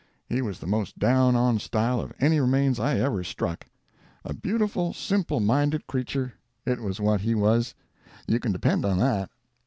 He was the most down on style of any remains I ever struck. A beautiful, simple minded creature—it was what he was, you can depend on that.